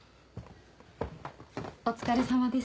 お疲れさまです。